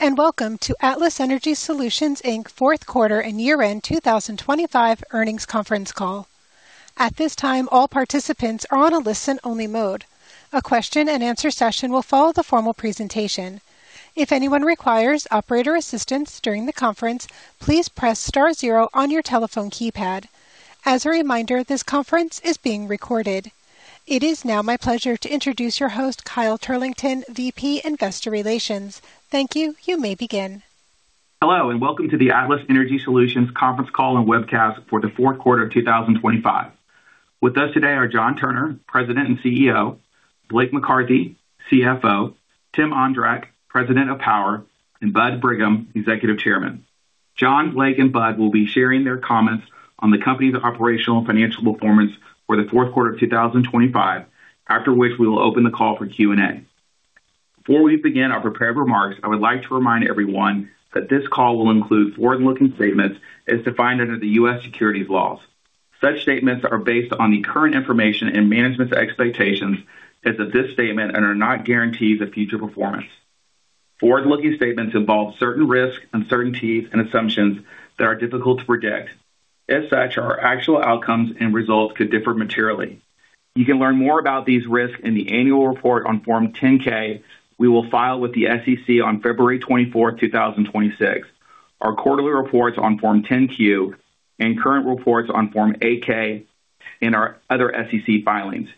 Welcome to Atlas Energy Solutions, Inc. fourth quarter and year-end 2025 earnings conference call. At this time, all participants are on a listen-only mode. A question-and-answer session will follow the formal presentation. If anyone requires operator assistance during the conference, please press star zero on your telephone keypad. As a reminder, this conference is being recorded. It is now my pleasure to introduce your host, Kyle Turlington, VP in Investor Relations. Thank you. You may begin. Hello, and welcome to the Atlas Energy Solutions conference call and webcast for the fourth quarter of 2025. With us today are John Turner, President and CEO; Blake McCarthy, CFO; Tim Ondrak, President of Power; and Bud Brigham, Executive Chairman. John, Blake, and Bud will be sharing their comments on the company's operational and financial performance for the fourth quarter of 2025, after which we will open the call for Q&A. Before we begin our prepared remarks, I would like to remind everyone that this call will include forward-looking statements as defined under the U.S. securities laws. Such statements are based on the current information and management's expectations as of this statement and are not guarantees of future performance. Forward-looking statements involve certain risks, uncertainties, and assumptions that are difficult to predict. As such, our actual outcomes and results could differ materially. You can learn more about these risks in the annual report on Form 10-K we will file with the SEC on February 24, 2026. Our quarterly reports on Form 10-Q and current reports on Form 8-K in our other SEC filings.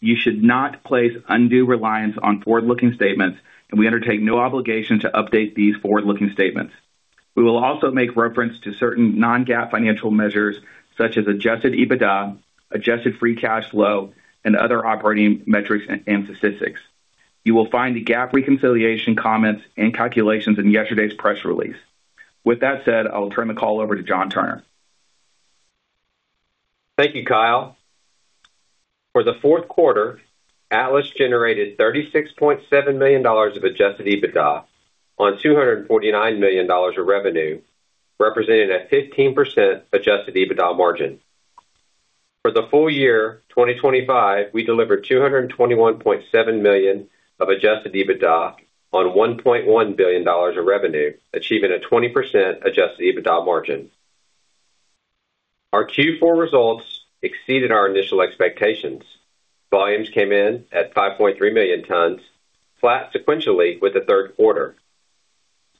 You should not place undue reliance on forward-looking statements. We undertake no obligation to update these forward-looking statements. We will also make reference to certain non-GAAP financial measures such as Adjusted EBITDA, Adjusted Free Cash Flow, and other operating metrics and statistics. You will find the GAAP reconciliation comments and calculations in yesterday's press release. With that said, I will turn the call over to John Turner. Thank you, Kyle. For the fourth quarter, Atlas generated $36.7 million of Adjusted EBITDA on $249 million of revenue, representing a 15% Adjusted EBITDA margin. For the full year 2025, we delivered $221.7 million of Adjusted EBITDA on $1.1 billion of revenue, achieving a 20% Adjusted EBITDA margin. Our Q4 results exceeded our initial expectations. Volumes came in at 5.3 million tons, flat sequentially with the third quarter.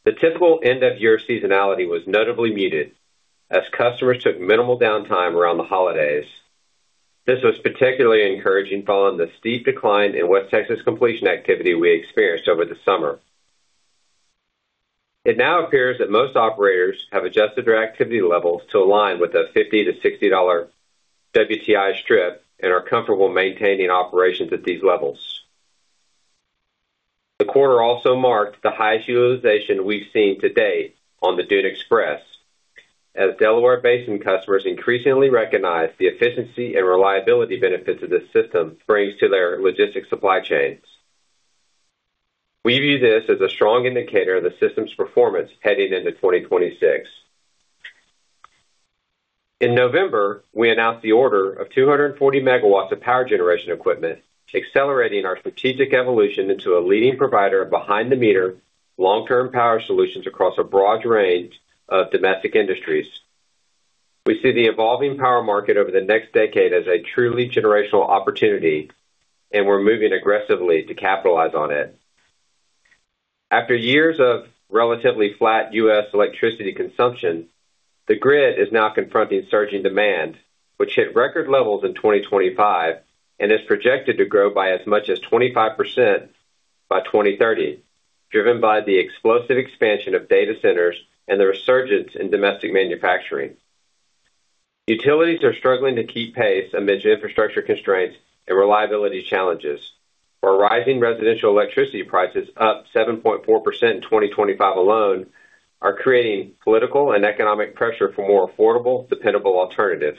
The typical end-of-year seasonality was notably muted as customers took minimal downtime around the holidays. This was particularly encouraging following the steep decline in West Texas completion activity we experienced over the summer. It now appears that most operators have adjusted their activity levels to align with a $50-$60 WTI strip and are comfortable maintaining operations at these levels. The quarter also marked the highest utilization we've seen to date on the Dune Express, as Delaware Basin customers increasingly recognize the efficiency and reliability benefits of this system brings to their logistics supply chains. We view this as a strong indicator of the system's performance heading into 2026. In November, we announced the order of 240MW of power generation equipment, accelerating our strategic evolution into a leading provider of behind-the-meter long-term power solutions across a broad range of domestic industries. We see the evolving power market over the next decade as a truly generational opportunity, and we're moving aggressively to capitalize on it. After years of relatively flat U.S. electricity consumption, the grid is now confronting surging demand, which hit record levels in 2025 and is projected to grow by as much as 25% by 2030, driven by the explosive expansion of data centers and the resurgence in domestic manufacturing. Utilities are struggling to keep pace amidst infrastructure constraints and reliability challenges. While rising residential electricity prices, up 7.4% in 2025 alone, are creating political and economic pressure for more affordable, dependable alternatives.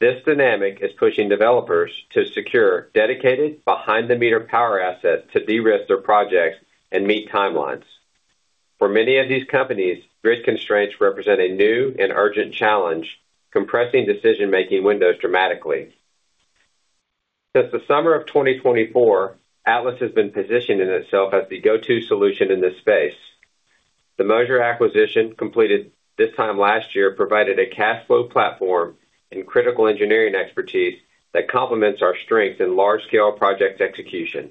This dynamic is pushing developers to secure dedicated behind-the-meter power assets to de-risk their projects and meet timelines. For many of these companies, grid constraints represent a new and urgent challenge, compressing decision-making windows dramatically. Since the summer of 2024, Atlas has been positioning itself as the go-to solution in this space. The Moser acquisition, completed this time last year, provided a cash flow platform and critical engineering expertise that complements our strength in large-scale project execution.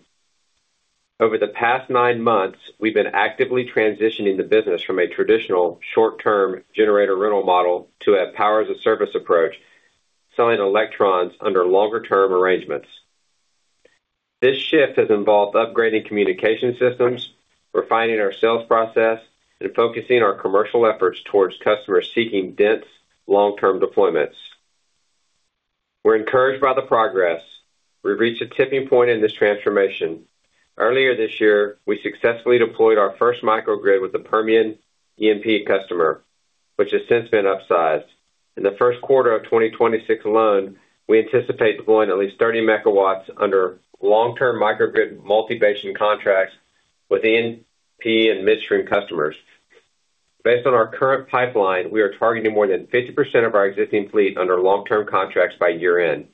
Over the past 9 months, we've been actively transitioning the business from a traditional short-term generator rental model to a Power-as-a-Service approach, selling electrons under longer-term arrangements. This shift has involved upgrading communication systems, refining our sales process, and focusing our commercial efforts towards customers seeking dense, long-term deployments. We're encouraged by the progress. We've reached a tipping point in this transformation. Earlier this year, we successfully deployed our first microgrid with a Permian E&P customer, which has since been upsized. In the first quarter of 2026 alone, we anticipate deploying at least 30MW under long-term microgrid multi-basin contracts with E&P and midstream customers. Based on our current pipeline, we are targeting more than 50% of our existing fleet under long-term contracts by year-end.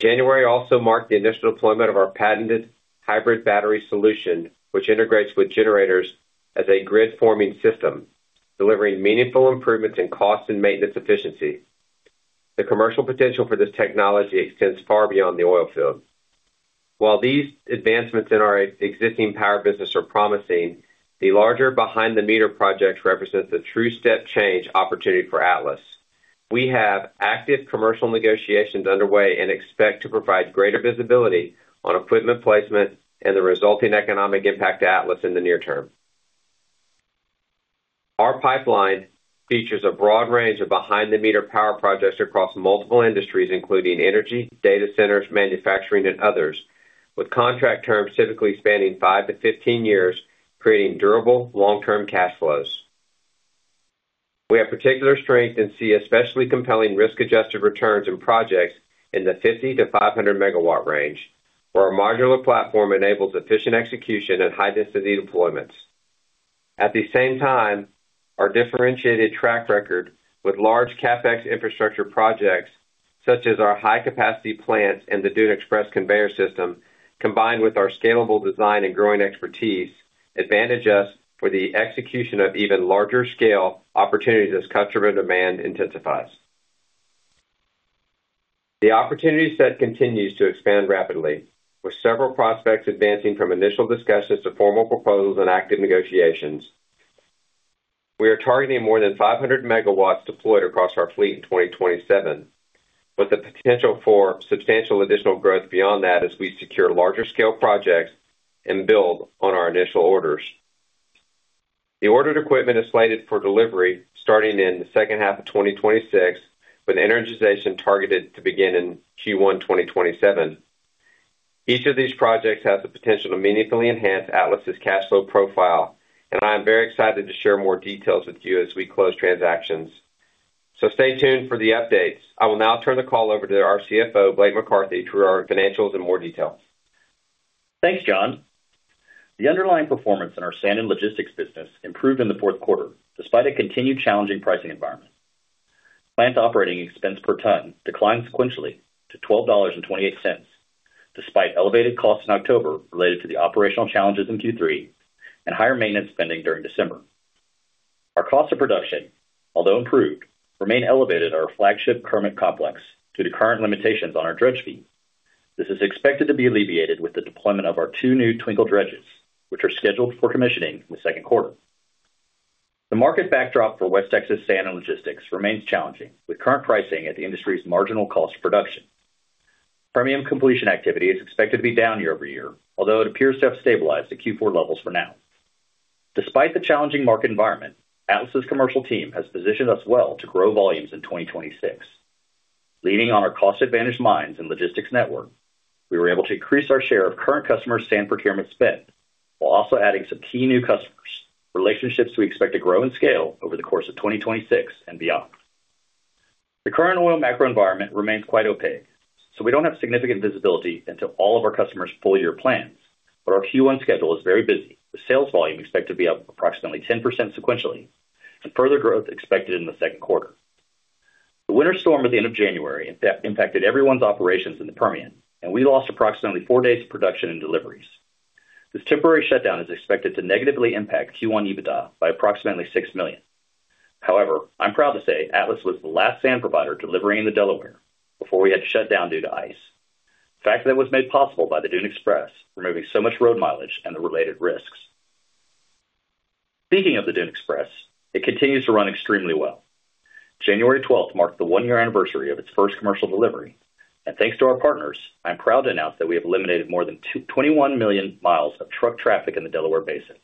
January also marked the initial deployment of our patented hybrid battery solution, which integrates with generators as a grid-forming system, delivering meaningful improvements in cost and maintenance efficiency. The commercial potential for this technology extends far beyond the oil field. While these advancements in our existing power business are promising, the larger behind-the-meter projects represents a true step change opportunity for Atlas. We have active commercial negotiations underway and expect to provide greater visibility on equipment placement and the resulting economic impact to Atlas in the near term. Our pipeline features a broad range of behind-the-meter power projects across multiple industries, including energy, data centers, manufacturing, and others, with contract terms typically spanning 5-15 years, creating durable long-term cash flows. We have particular strength and see especially compelling risk-adjusted returns in projects in the 50 to 500MW range, where our modular platform enables efficient execution and high density deployments. At the same time, our differentiated track record with large CapEx infrastructure projects, such as our high-capacity plants and the Dune Express conveyor system, combined with our scalable design and growing expertise, advantage us for the execution of even larger scale opportunities as customer demand intensifies. The opportunity set continues to expand rapidly, with several prospects advancing from initial discussions to formal proposals and active negotiations. We are targeting more than 500MW deployed across our fleet in 2027, with the potential for substantial additional growth beyond that as we secure larger scale projects and build on our initial orders. The ordered equipment is slated for delivery starting in the second half of 2026, with energization targeted to begin in Q1, 2027. Each of these projects has the potential to meaningfully enhance Atlas's cash flow profile, and I am very excited to share more details with you as we close transactions. Stay tuned for the updates. I will now turn the call over to our CFO, Blake McCarthy, for our financials in more detail. Thanks, John. The underlying performance in our sand and logistics business improved in the fourth quarter, despite a continued challenging pricing environment. Plant operating expense per ton declined sequentially to $12.28, despite elevated costs in October related to the operational challenges in Q3 and higher maintenance spending during December. Our cost of production, although improved, remain elevated at our flagship Kermit complex due to current limitations on our dredge feed. This is expected to be alleviated with the deployment of our 2 new Twinkle dredges, which are scheduled for commissioning in the second quarter. The market backdrop for West Texas sand and logistics remains challenging, with current pricing at the industry's marginal cost of production. Permian completion activity is expected to be down year-over-year, although it appears to have stabilized at Q4 levels for now. Despite the challenging market environment, Atlas's commercial team has positioned us well to grow volumes in 2026. Leaning on our cost advantage mines and logistics network, we were able to increase our share of current customer sand procurement spend while also adding some key new customers, relationships we expect to grow and scale over the course of 2026 and beyond. The current oil macro environment remains quite opaque, we don't have significant visibility into all of our customers' full year plans. Our Q1 schedule is very busy, with sales volume expected to be up approximately 10% sequentially and further growth expected in the second quarter. The winter storm at the end of January, impacted everyone's operations in the Permian, and we lost approximately 4 days of production and deliveries. This temporary shutdown is expected to negatively impact Q1 EBITDA by approximately $6 million. I'm proud to say Atlas was the last sand provider delivering in the Delaware before we had to shut down due to ice. That was made possible by the Dune Express, removing so much road mileage and the related risks. Speaking of the Dune Express, it continues to run extremely well. January 12th marked the one-year anniversary of its first commercial delivery, thanks to our partners, I'm proud to announce that we have eliminated more than 21 million miles of truck traffic in the Delaware Basin.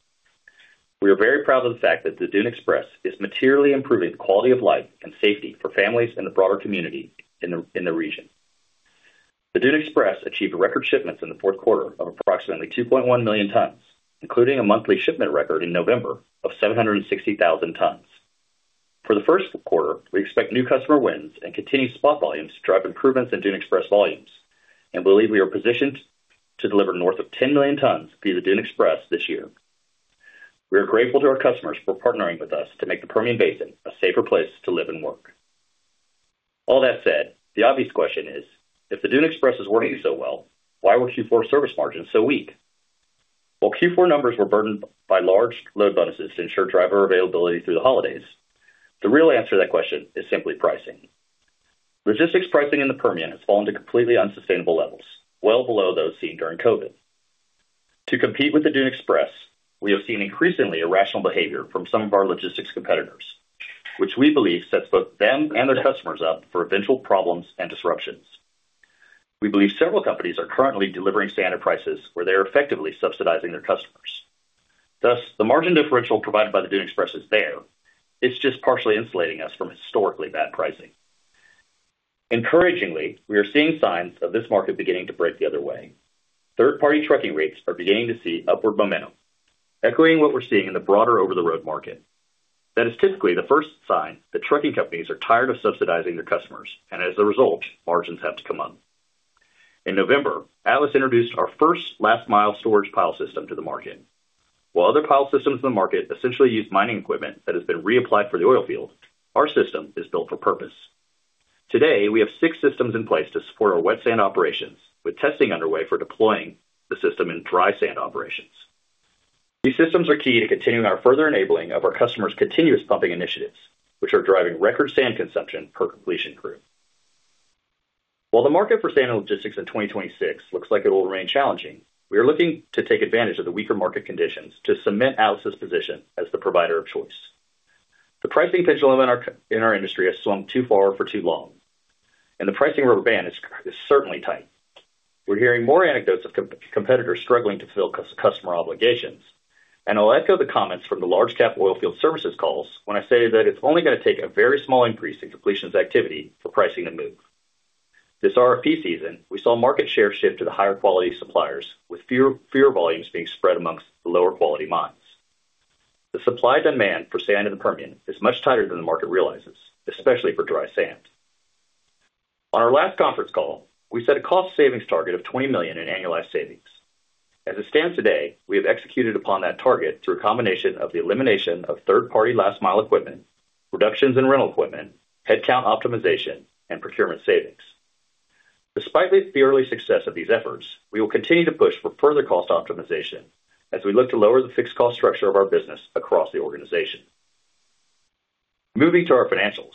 We are very proud of the fact that the Dune Express is materially improving the quality of life and safety for families and the broader community in the region. The Dune Express achieved record shipments in the fourth quarter of approximately 2.1 million tons, including a monthly shipment record in November of 760,000 tons. For the first quarter, we expect new customer wins and continued spot volumes to drive improvements in Dune Express volumes and believe we are positioned to deliver north of 10 million tons via the Dune Express this year. We are grateful to our customers for partnering with us to make the Permian Basin a safer place to live and work. All that said, the obvious question is: if the Dune Express is working so well, why were Q4 service margins so weak? While Q4 numbers were burdened by large load bonuses to ensure driver availability through the holidays, the real answer to that question is simply pricing. Logistics pricing in the Permian has fallen to completely unsustainable levels, well below those seen during COVID. To compete with the Dune Express, we have seen increasingly irrational behavior from some of our logistics competitors, which we believe sets both them and their customers up for eventual problems and disruptions. We believe several companies are currently delivering standard prices where they are effectively subsidizing their customers. The margin differential provided by the Dune Express is there. It's just partially insulating us from historically bad pricing. Encouragingly, we are seeing signs of this market beginning to break the other way. Third-party trucking rates are beginning to see upward momentum, echoing what we're seeing in the broader over-the-road market. That is typically the first sign that trucking companies are tired of subsidizing their customers, and as a result, margins have to come up. In November, Atlas introduced our first last mile storage pile system to the market. While other pile systems in the market essentially use mining equipment that has been reapplied for the oil field, our system is built for purpose. Today, we have six systems in place to support our wet sand operations, with testing underway for deploying the system in dry sand operations. These systems are key to continuing our further enabling of our customers' continuous pumping initiatives, which are driving record sand consumption per completion crew. While the market for sand and logistics in 2026 looks like it will remain challenging, we are looking to take advantage of the weaker market conditions to cement Atlas's position as the provider of choice. The pricing pendulum in our industry has swung too far for too long, and the pricing rubber band is certainly tight. We're hearing more anecdotes of competitors struggling to fill customer obligations. I'll echo the comments from the large cap oil field services calls when I say that it's only gonna take a very small increase in completions activity for pricing to move. This RFP season, we saw market share shift to the higher quality suppliers, with fewer volumes being spread amongst the lower quality mines. The supply demand for sand in the Permian is much tighter than the market realizes, especially for dry sand. On our last conference call, we set a cost savings target of $20 million in annualized savings. As it stands today, we have executed upon that target through a combination of the elimination of third-party last mile equipment, reductions in rental equipment, headcount optimization, and procurement savings. Despite the early success of these efforts, we will continue to push for further cost optimization as we look to lower the fixed cost structure of our business across the organization. Moving to our financials.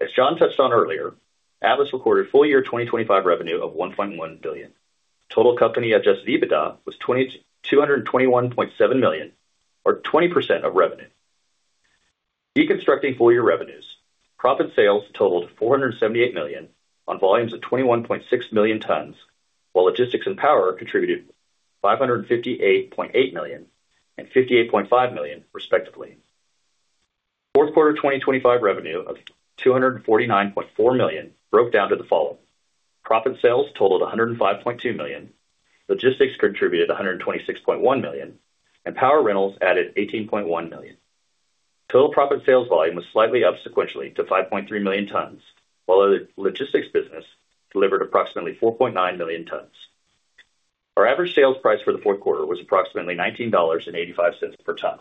As John touched on earlier, Atlas recorded full year 2025 revenue of $1.1 billion. Total company Adjusted EBITDA was $2,221.7 million, or 20% of revenue. Deconstructing full year revenues, proppant sales totaled $478 million on volumes of 21.6 million tons, while logistics and power contributed $558.8 million and $58.5 million, respectively. Fourth quarter 2025 revenue of $249.4 million broke down to the following: Proppant sales totaled $105.2 million, logistics contributed $126.1 million, and power rentals added $18.1 million. Total proppant sales volume was slightly up sequentially to 5.3 million tons, while our logistics business delivered approximately 4.9 million tons. Our average sales price for the fourth quarter was approximately $19.85 per ton.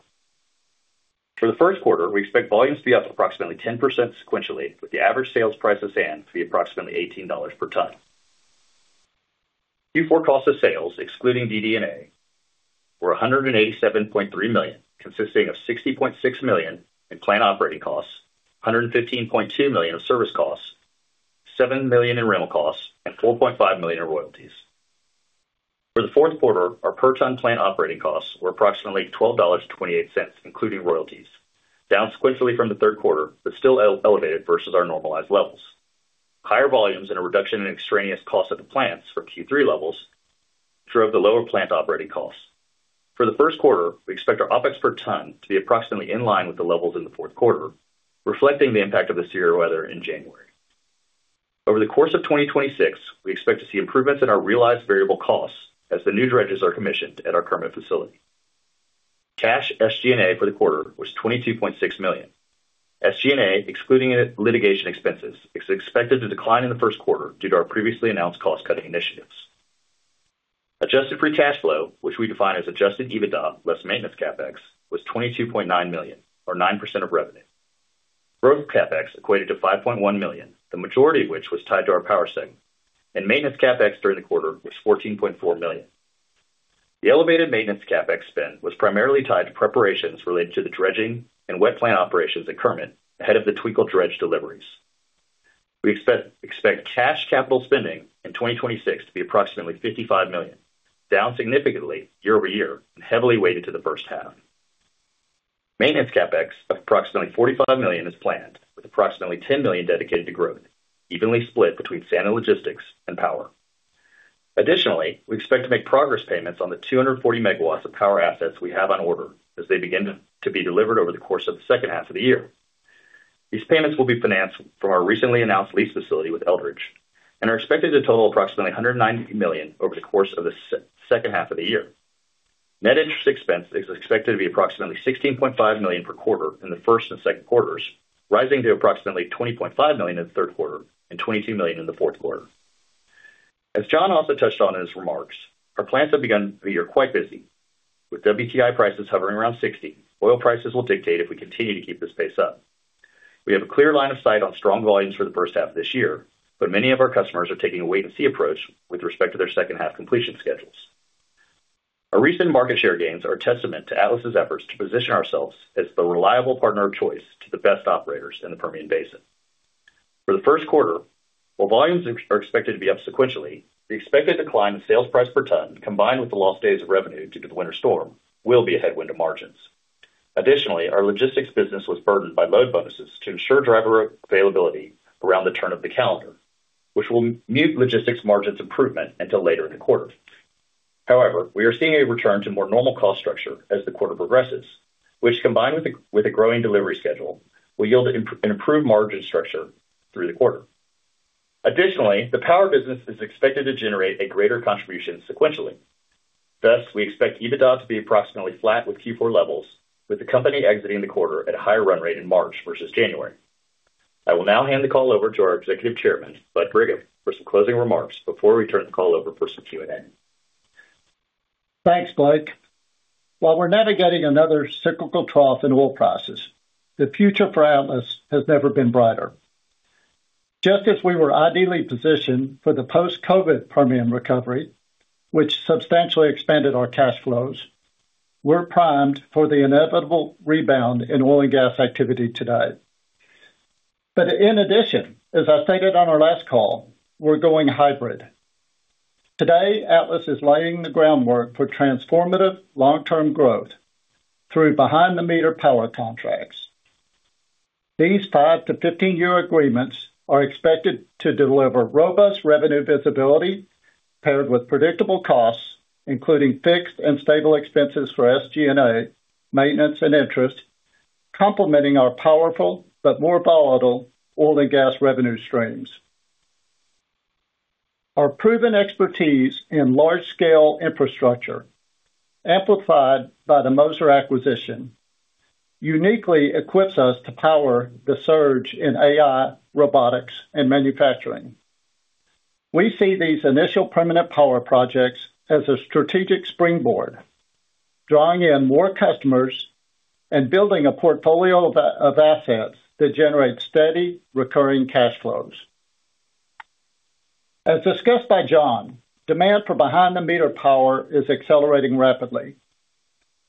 For the first quarter, we expect volumes to be up approximately 10% sequentially, with the average sales price of sand to be approximately $18 per ton. Q4 cost of sales, excluding DD&A, were $187.3 million, consisting of $60.6 million in plant operating costs, $115.2 million in service costs, $7 million in rental costs, and $4.5 million in royalties. For the fourth quarter, our per ton plant operating costs were approximately $12.28, including royalties, down sequentially from the third quarter, but still elevated versus our normalized levels. Higher volumes and a reduction in extraneous costs at the plants for Q3 levels drove the lower plant operating costs. For the first quarter, we expect our OpEx per ton to be approximately in line with the levels in the fourth quarter, reflecting the impact of the severe weather in January. Over the course of 2026, we expect to see improvements in our realized variable costs as the new dredges are commissioned at our current facility. Cash SG&A for the quarter was $22.6 million. SG&A, excluding litigation expenses, is expected to decline in the first quarter due to our previously announced cost-cutting initiatives. Adjusted Free Cash Flow, which we define as Adjusted EBITDA less maintenance CapEx, was $22.9 million, or 9% of revenue. Growth CapEx equated to $5.1 million, the majority of which was tied to our power segment, and maintenance CapEx during the quarter was $14.4 million. The elevated maintenance CapEx spend was primarily tied to preparations related to the dredging and wet plant operations at Kermit ahead of the Twinkle dredge deliveries. We expect cash capital spending in 2026 to be approximately $55 million, down significantly year-over-year and heavily weighted to the first half. Maintenance CapEx of approximately $45 million is planned, with approximately $10 million dedicated to growth, evenly split between sand and logistics and power. Additionally, we expect to make progress payments on the 240 MW of power assets we have on order as they begin to be delivered over the course of the second half of the year. These payments will be financed from our recently announced lease facility with Eldridge and are expected to total approximately $190 million over the course of the second half of the year. Net interest expense is expected to be approximately $16.5 million per quarter in the first and second quarters, rising to approximately $20.5 million in the third quarter and $22 million in the fourth quarter. As John also touched on in his remarks, our plants have begun the year quite busy. With WTI prices hovering around 60, oil prices will dictate if we continue to keep this pace up. We have a clear line of sight on strong volumes for the first half of this year, but many of our customers are taking a wait-and-see approach with respect to their second half completion schedules. Our recent market share gains are a testament to Atlas's efforts to position ourselves as the reliable partner of choice to the best operators in the Permian Basin. For the first quarter, while volumes are expected to be up sequentially, the expected decline in sales price per ton, combined with the lost days of revenue due to the winter storm, will be a headwind to margins. Our logistics business was burdened by load bonuses to ensure driver availability around the turn of the calendar, which will mute logistics margins improvement until later in the quarter. We are seeing a return to more normal cost structure as the quarter progresses, which, combined with a growing delivery schedule, will yield an improved margin structure through the quarter. The power business is expected to generate a greater contribution sequentially. We expect EBITDA to be approximately flat with Q4 levels, with the company exiting the quarter at a higher run rate in March versus January. I will now hand the call over to our Executive Chairman, Bud Brigham, for some closing remarks before we turn the call over for some Q&A. Thanks, Blake. While we're navigating another cyclical trough in oil prices, the future for Atlas has never been brighter. Just as we were ideally positioned for the post-COVID Permian recovery, which substantially expanded our cash flows, we're primed for the inevitable rebound in oil and gas activity today. In addition, as I stated on our last call, we're going hybrid. Today, Atlas is laying the groundwork for transformative long-term growth through behind-the-meter power contracts. These 5 to 15-year agreements are expected to deliver robust revenue visibility, paired with predictable costs, including fixed and stable expenses for SG&A, maintenance, and interest, complementing our powerful but more volatile oil and gas revenue streams. Our proven expertise in large-scale infrastructure, amplified by the Moser acquisition, uniquely equips us to power the surge in AI, robotics, and manufacturing. We see these initial permanent power projects as a strategic springboard, drawing in more customers and building a portfolio of assets that generate steady, recurring cash flows. As discussed by John Turner, demand for behind-the-meter power is accelerating rapidly,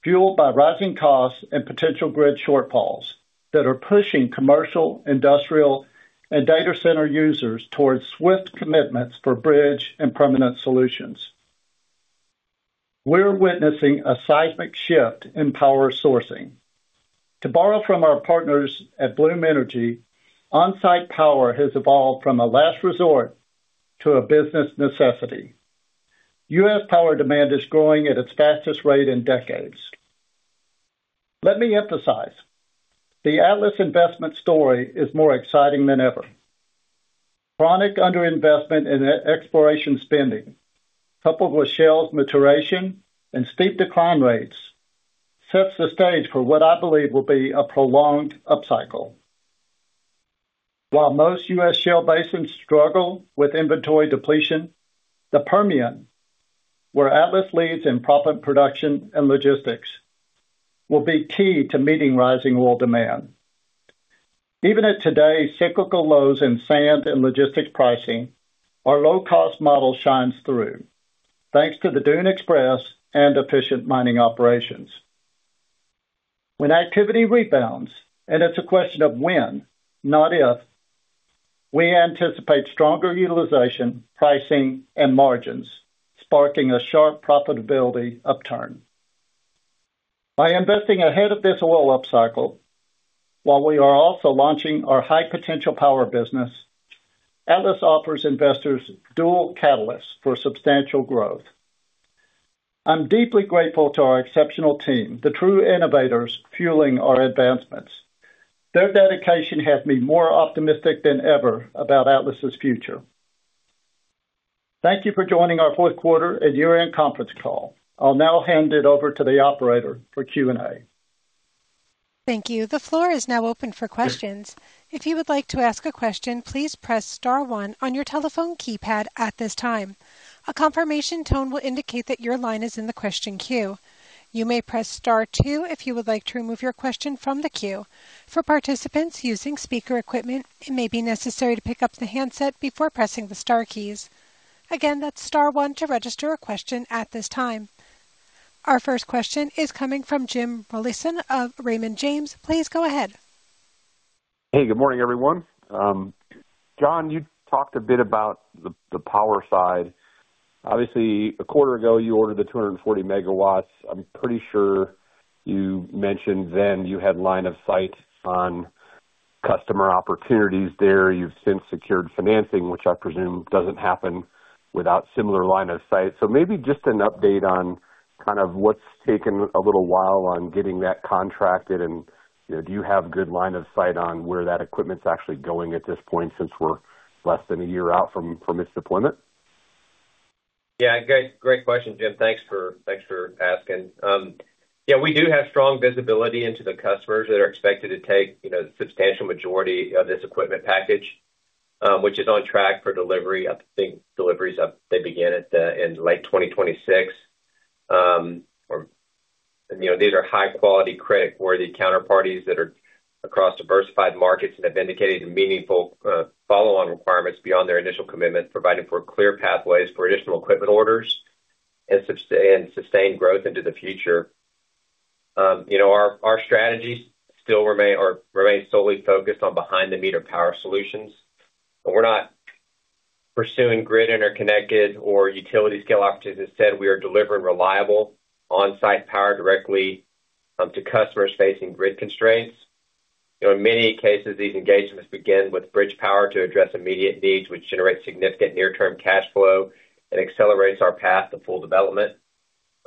fueled by rising costs and potential grid shortfalls that are pushing commercial, industrial, and data center users towards swift commitments for bridge and permanent solutions. We're witnessing a seismic shift in power sourcing. To borrow from our partners at Bloom Energy, on-site power has evolved from a last resort to a business necessity. U.S. power demand is growing at its fastest rate in decades. Let me emphasize, the Atlas investment story is more exciting than ever. Chronic underinvestment in exploration spending, coupled with shale's maturation and steep decline rates, sets the stage for what I believe will be a prolonged upcycle. While most U.S. shale basins struggle with inventory depletion, the Permian, where Atlas leads in proppant production and logistics, will be key to meeting rising oil demand. Even at today's cyclical lows in sand and logistics pricing, our low-cost model shines through, thanks to the Dune Express and efficient mining operations. When activity rebounds, and it's a question of when, not if, we anticipate stronger utilization, pricing, and margins, sparking a sharp profitability upturn. By investing ahead of this oil upcycle, while we are also launching our high-potential power business, Atlas offers investors dual catalysts for substantial growth. I'm deeply grateful to our exceptional team, the true innovators fueling our advancements. Their dedication has me more optimistic than ever about Atlas's future. Thank you for joining our fourth quarter and year-end conference call. I'll now hand it over to the operator for Q&A. Thank you. The floor is now open for questions. If you would like to ask a question, please press star one on your telephone keypad at this time. A confirmation tone will indicate that your line is in the question queue. You may press star two if you would like to remove your question from the queue. For participants using speaker equipment, it may be necessary to pick up the handset before pressing the star keys. Again, that's star one to register a question at this time. Our first question is coming from Jim Rollyson of Raymond James. Please go ahead. Hey, good morning, everyone. John, you talked a bit about the power side. Obviously, a quarter ago, you ordered the 240MW. I'm pretty sure you mentioned then you had line of sight on customer opportunities there. You've since secured financing, which I presume doesn't happen without similar line of sight. Maybe just an update on kind of what's taken a little while on getting that contracted and, you know, do you have good line of sight on where that equipment's actually going at this point, since we're less than one year out from its deployment? Yeah, great question, Jim. Thanks for asking. Yeah, we do have strong visibility into the customers that are expected to take, you know, the substantial majority of this equipment package, which is on track for delivery. I think deliveries, they begin in late 2026. You know, these are high quality, creditworthy counterparties that are across diversified markets and have indicated meaningful follow-on requirements beyond their initial commitment, providing for clear pathways for additional equipment orders and sustained growth into the future. You know, our strategies still remain or remain solely focused on behind-the-meter power solutions, but we're not pursuing grid, interconnected or utility scale opportunities. Instead, we are delivering reliable on-site power directly to customers facing grid constraints. You know, in many cases, these engagements begin with bridge power to address immediate needs, which generates significant near-term cash flow and accelerates our path to full development.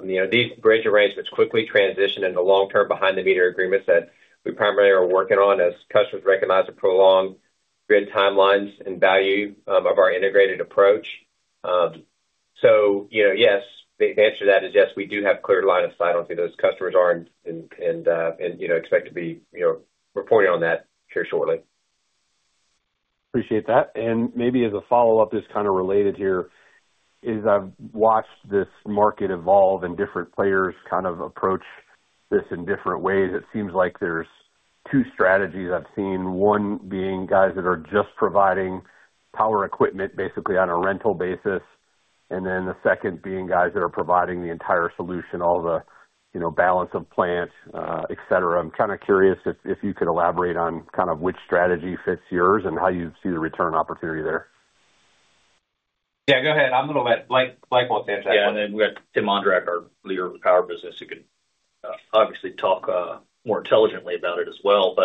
You know, these bridge arrangements quickly transition into long-term behind-the-meter agreements that we primarily are working on as customers recognize the prolonged grid timelines and value of our integrated approach. ...you know, yes, the answer to that is yes, we do have clear line of sight on who those customers are and, you know, expect to be, you know, reporting on that here shortly. Appreciate that. Maybe as a follow-up, that's kind of related here, is I've watched this market evolve and different players kind of approach this in different ways. It seems like there's 2 strategies I've seen, one being guys that are just providing power equipment, basically on a rental basis, and then the second being guys that are providing the entire solution, all the, you know, balance of plant, et cetera. I'm kind of curious if you could elaborate on kind of which strategy fits yours and how you see the return opportunity there? Yeah, go ahead. I'm going to let Blake want to answer that. Yeah, then we have Tim Ondrak, our leader of the Power Business, who could obviously talk more intelligently about it as well.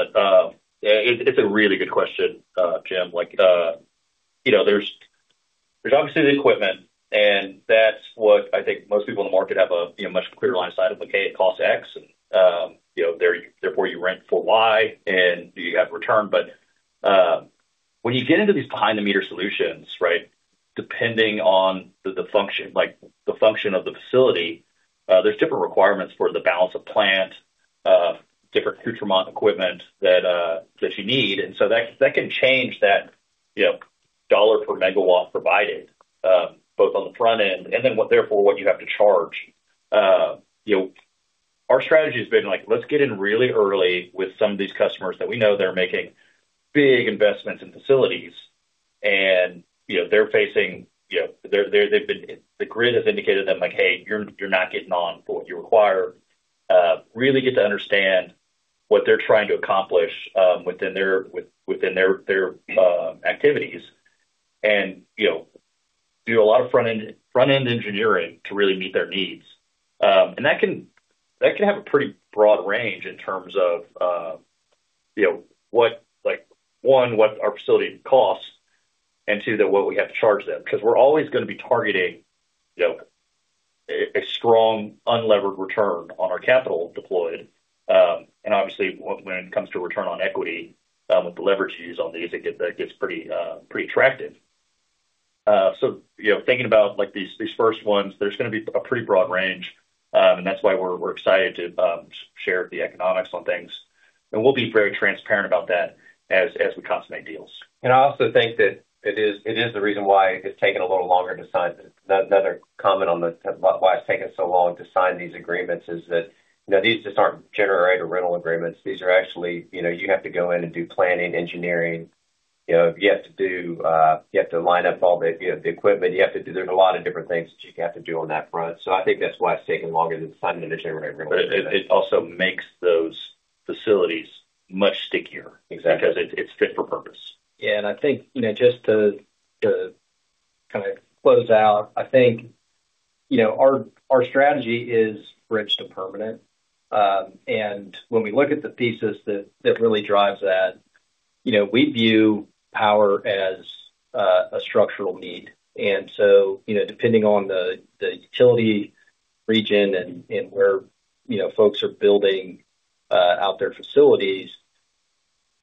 Yeah, it's a really good question, Jim. Like, you know, there's obviously the equipment, and that's what I think most people in the market have a, you know, much clearer line of sight of, okay, it costs X, and, you know, therefore, you rent for Y, and you have return. When you get into these behind-the-meter solutions, right? Depending on the function, like, the function of the facility, there's different requirements for the balance of plant, different nutriment equipment that you need. So that can change that, you know, $ per MW provided, both on the front end and then therefore, what you have to charge. You know, our strategy has been like, let's get in really early with some of these customers that we know they're making big investments in facilities and, you know, they're facing, you know, they've been... The grid has indicated to them, like, "Hey, you're not getting on for what you require." Really get to understand what they're trying to accomplish within their activities. You know, do a lot of front-end engineering to really meet their needs. That can have a pretty broad range in terms of, you know, what, like, one, what our facility costs, and two, that what we have to charge them. Because we're always gonna be targeting, you know, a strong unlevered return on our capital deployed. Obviously, when it comes to return on equity, with the leverage you use on these, it gets pretty attractive. You know, thinking about, like, these first ones, there's gonna be a pretty broad range, and that's why we're excited to share the economics on things, and we'll be very transparent about that as we consummate deals. I also think that it is the reason why it's taken a little longer to sign. Another comment about why it's taken so long to sign these agreements is that, you know, these just aren't generator rental agreements. These are actually... You know, you have to go in and do planning, engineering. You know, you have to do, you have to line up all the, you know, the equipment. There's a lot of different things that you have to do on that front. I think that's why it's taking longer than signing a generator. It also makes those facilities much stickier... Exactly. because it's fit for purpose. Yeah, I think, you know, just to kind of close out, I think, you know, our strategy is bridge to permanent. When we look at the thesis that really drives that, you know, we view power as a structural need. Depending on the utility region and where, you know, folks are building out their facilities,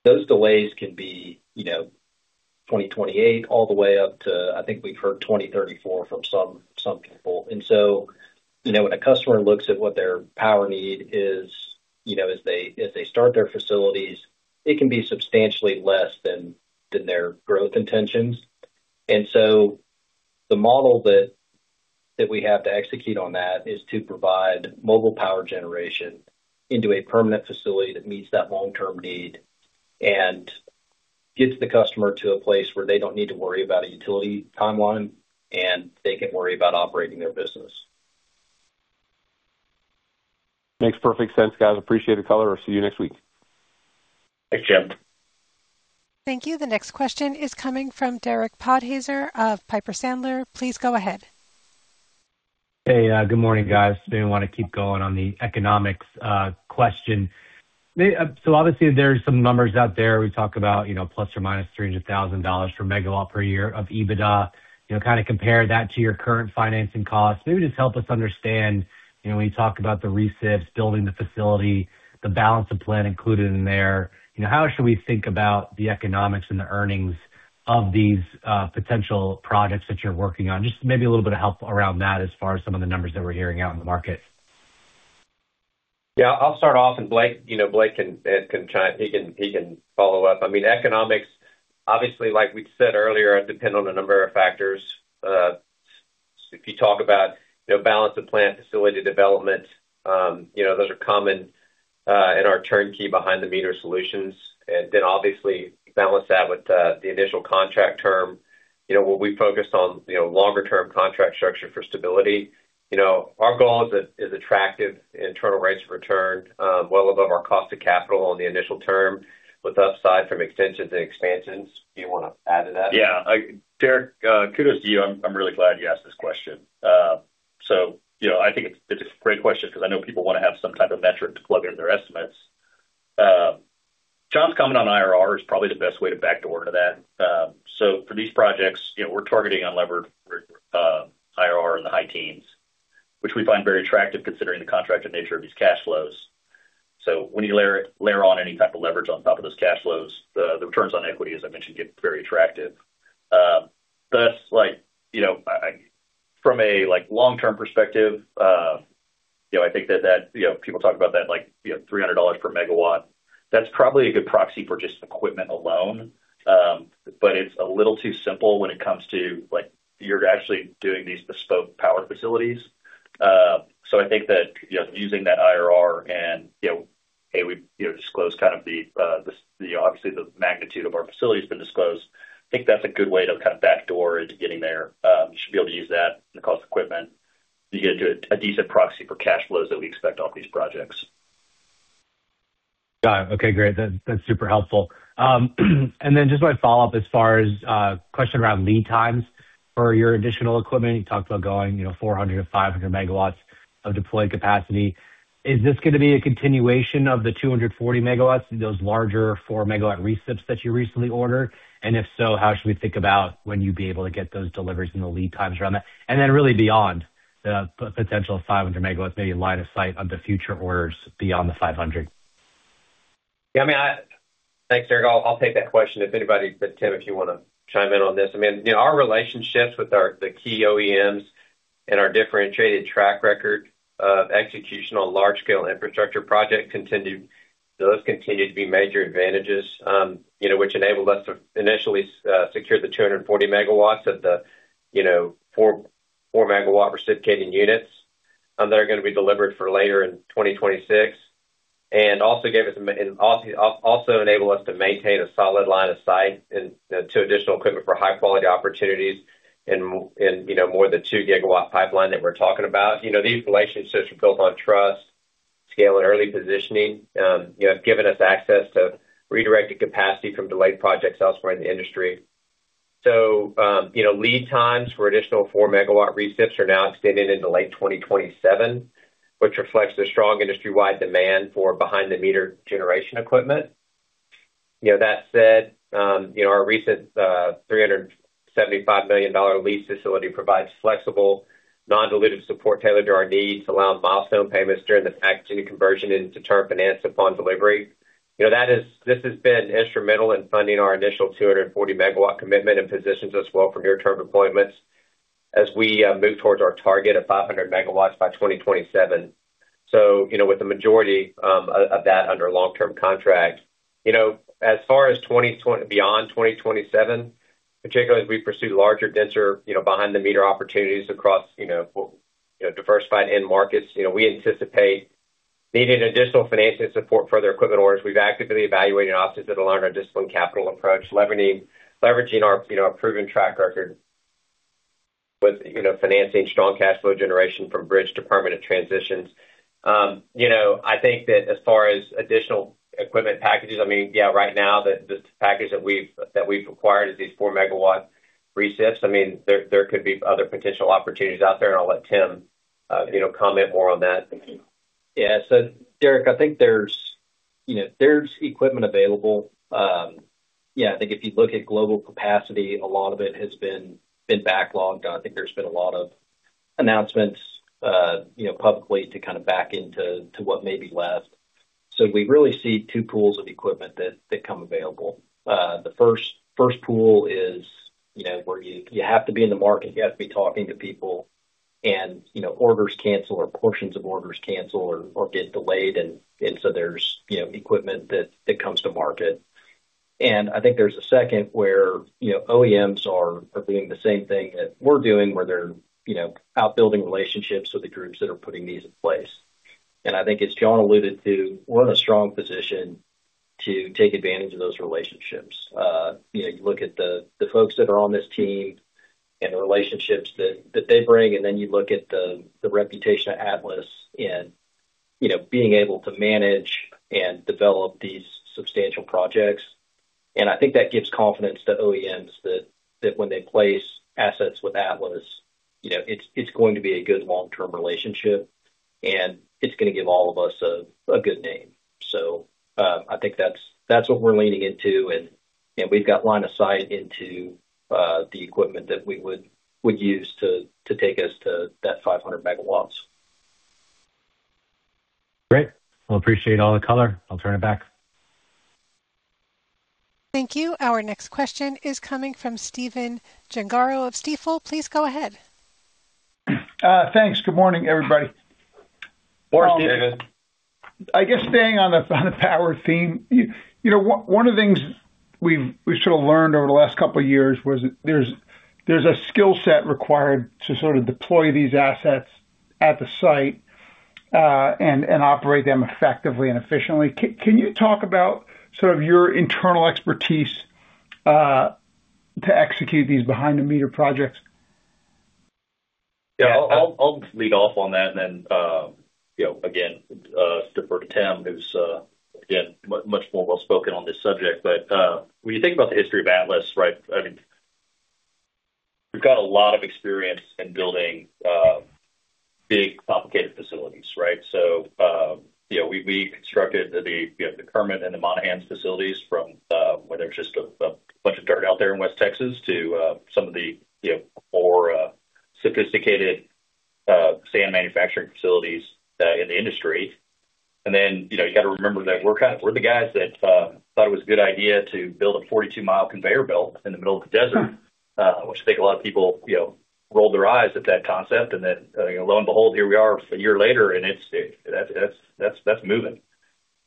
those delays can be, you know, 2028, all the way up to, I think we've heard 2034 from some people. When a customer looks at what their power need is, you know, as they start their facilities, it can be substantially less than their growth intentions. The model that we have to execute on that is to provide mobile power generation into a permanent facility that meets that long-term need and gets the customer to a place where they don't need to worry about a utility timeline, and they can worry about operating their business. Makes perfect sense, guys. Appreciate the color. I'll see you next week. Thanks, Jim. Thank you. The next question is coming from Derek Podhaizer of Piper Sandler. Please go ahead. Hey, good morning, guys. Maybe I want to keep going on the economics question. Obviously, there's some numbers out there. We talk about, you know, plus or minus $300,000 per MW per year of EBITDA. You know, kind of compare that to your current financing costs. Maybe just help us understand, you know, when you talk about the recips, building the facility, the balance of plan included in there, you know, how should we think about the economics and the earnings of these potential projects that you're working on? Just maybe a little bit of help around that as far as some of the numbers that we're hearing out in the market. I'll start off, Blake, you know, Blake can he can follow up. I mean, economics, obviously, like we said earlier, depend on a number of factors. If you talk about, you know, balance of plant, facility development, you know, those are common in our turnkey behind-the-meter solutions. Obviously, balance that with the initial contract term. You know, what we focused on, you know, longer term contract structure for stability. You know, our goal is attractive internal rates of return, well above our cost of capital on the initial term, with upside from extensions and expansions. Do you want to add to that? Yeah. Derek, kudos to you. I'm really glad you asked this question. You know, I think it's a great question because I know people want to have some type of metric to plug in their estimates. John's comment on IRR is probably the best way to back door to that. For these projects, you know, we're targeting unlevered IRR in the high teens, which we find very attractive, considering the contracted nature of these cash flows. When you layer on any type of leverage on top of those cash flows, the returns on equity, as I mentioned, get very attractive. Like, you know, I, from a, like, long-term perspective, you know, I think that, you know, people talk about that like, you know, $300 per MW. That's probably a good proxy for just equipment alone, it's a little too simple when it comes to, like, you're actually doing these bespoke power facilities. I think that, you know, using that IRR and, you know, hey, we, you know, disclose kind of the, obviously, the magnitude of our facility has been disclosed. I think that's a good way to kind of backdoor into getting there. You should be able to use that in the cost of equipment to get to a decent proxy for cash flows that we expect off these projects. Got it. Okay, great. That's super helpful. Then just my follow-up as far as question around lead times for your additional equipment. You talked about going, you know, 400-500MW of deployed capacity. Is this gonna be a continuation of the 240MW, those larger 4MW recips that you recently ordered? If so, how should we think about when you'd be able to get those deliveries and the lead times around that? Then really beyond the potential 500MW, maybe line of sight of the future orders beyond the 500. Yeah, I mean, Thanks, Eric. I'll take that question if anybody, but Tim, if you wanna chime in on this. I mean, you know, our relationships with the key OEMs and our differentiated track record of execution on large-scale infrastructure projects those continue to be major advantages, you know, which enabled us to initially secure the 240 MW at the, you know, 4MW reciprocating units. They're gonna be delivered for later in 2026 and also enable us to maintain a solid line of sight in, you know, to additional equipment for high-quality opportunities and, you know, more than 2-gigawatt pipeline that we're talking about. You know, these relationships are built on trust, scale, and early positioning. you know, have given us access to redirected capacity from delayed projects elsewhere in the industry. you know, lead times for additional 4MW recips are now extended into late 2027, which reflects the strong industry-wide demand for behind-the-meter generation equipment. You know, that said, you know, our recent $375 million lease facility provides flexible, non-dilutive support tailored to our needs, allowing milestone payments during the packaging conversion into term finance upon delivery. You know, this has been instrumental in funding our initial 240MW commitment and positions us well for near-term deployments as we move towards our target of 500MW by 2027. you know, with the majority of that under long-term contract. As far as beyond 2027, particularly as we pursue larger, denser, behind-the-meter opportunities across diversified end markets, we anticipate needing additional financing support for other equipment orders. We've actively evaluating options that align our disciplined capital approach, leveraging our proven track record with financing strong cash flow generation from bridge to permanent transitions. I think that as far as additional equipment packages, right now, the package that we've acquired is these 4MW recips. There could be other potential opportunities out there, and I'll let Tim comment more on that. Yeah. Derek, I think there's, you know, there's equipment available. Yeah, I think if you look at global capacity, a lot of it has been backlogged. I think there's been a lot of announcements, you know, publicly to kind of back into what may be left. We really see two pools of equipment that come available. The first pool is, you know, where you have to be in the market, you have to be talking to people and, you know, orders cancel or portions of orders cancel or get delayed and so there's, you know, equipment that comes to market. I think there's a second where, you know, OEMs are doing the same thing that we're doing, where they're, you know, out building relationships with the groups that are putting these in place. I think as John alluded to, we're in a strong position to take advantage of those relationships. You know, you look at the folks that are on this team and the relationships that they bring, and then you look at the reputation of Atlas and, you know, being able to manage and develop these substantial projects. I think that gives confidence to OEMs that when they place assets with Atlas, you know, it's going to be a good long-term relationship, and it's gonna give all of us a good name. I think that's what we're leaning into. We've got line of sight into the equipment that we would, we'd use to take us to that 500MW. Great. Well, appreciate all the color. I'll turn it back. Thank you. Our next question is coming from Stephen Gengaro of Stifel. Please go ahead. Thanks. Good morning, everybody. Morning, David. I guess staying on the power theme, you know, one of the things we sort of learned over the last couple of years was there's a skill set required to sort of deploy these assets at the site, and operate them effectively and efficiently. Can you talk about sort of your internal expertise to execute these behind-the-meter projects? Yeah, I'll lead off on that and then, you know, again, defer to Tim, who's again much more well spoken on this subject. When you think about the history of Atlas, right, I mean, we've got a lot of experience in building big, complicated facilities, right? You know, we constructed the, you know, the Kermit and the Monahans facilities from where there's just a.... out there in West Texas to some of the, you know, more sophisticated sand manufacturing facilities in the industry. You know, you got to remember that we're the guys that thought it was a good idea to build a 42-mile conveyor belt in the middle of the desert, which I think a lot of people, you know, rolled their eyes at that concept. Lo and behold, here we are a year later, and it's that's moving.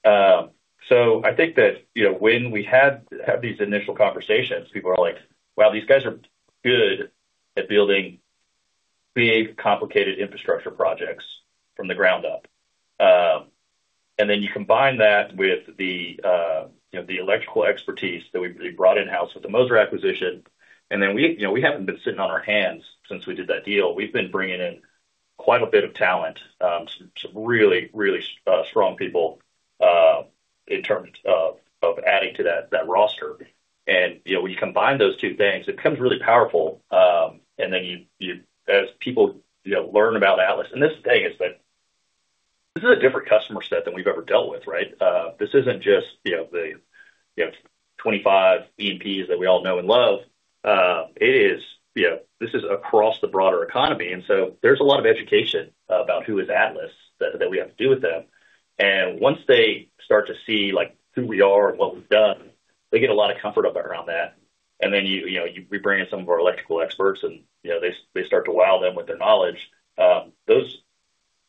I think that, you know, when we had these initial conversations, people are like: Wow, these guys are good at building big, complicated infrastructure projects from the ground up. You combine that with the, you know, the electrical expertise that we brought in-house with the Moser acquisition. We, you know, we haven't been sitting on our hands since we did that deal. We've been bringing in quite a bit of talent, some really, really strong people, in terms of adding to that roster. You know, when you combine those two things, it becomes really powerful. Then you, as people, you know, learn about Atlas, and this thing is that this is a different customer set than we've ever dealt with, right? This isn't just, you know, the, you know, 25 E&Ps that we all know and love. It is, you know, this is across the broader economy, and so there's a lot of education about who is Atlas that we have to do with them. Once they start to see, like, who we are and what we've done, they get a lot of comfort about around that. Then, you know, we bring in some of our electrical experts, and, you know, they start to wow them with their knowledge.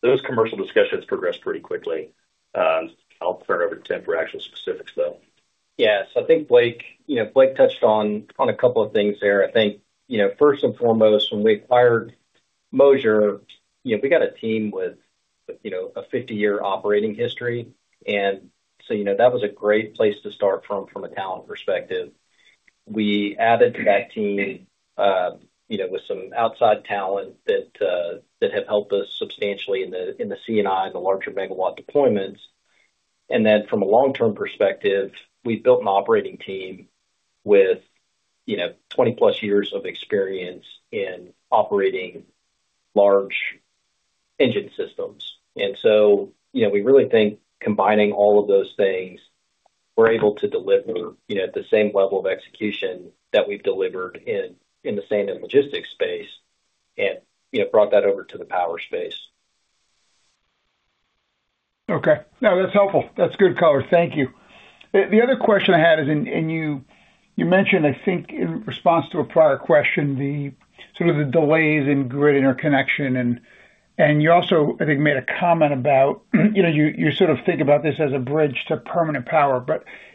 Those commercial discussions progress pretty quickly. I'll turn it over to Tim for actual specifics, though. Yes, I think Blake, you know, Blake touched on a couple of things there. I think, you know, first and foremost, when we acquired Moser, you know, we got a team with, you know, a 50-year operating history, and so, you know, that was a great place to start from a talent perspective. We added to that team, you know, with some outside talent that have helped us substantially in the, in the CNI and the larger MW deployments. From a long-term perspective, we've built an operating team with, you know, 20+ years of experience in operating large engine systems. You know, we really think combining all of those things, we're able to deliver, you know, the same level of execution that we've delivered in the sand and logistics space and, you know, brought that over to the power space. Okay. No, that's helpful. That's good color. Thank you. The other question I had is, you mentioned, I think, in response to a prior question, the sort of the delays in grid interconnection, you also, I think, made a comment about, you know, you sort of think about this as a bridge to permanent power.